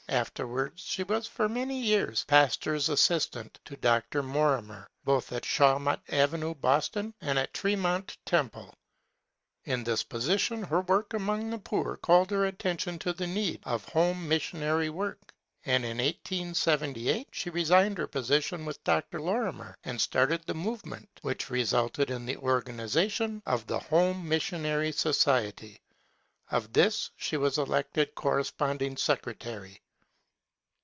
Afterwards she was for many yeaxB pastor's assistant to Dr. Lorimer both at Shawmut Avenue, Boston, and at Ttemont Temple. In this position, her work among the poor called her attention to the need of home missionary work, and in 1878 she re signed her position with Dr. Lorimer and started the movement which resulted in the organization of the Home Missionary So ciety. Ofthisshewas elected corresponding secretary.